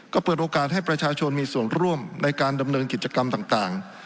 ก็เปิดโอกาสให้ประชาชนมีส่วนร่วมในการดำเนินกิจกรรมต่าง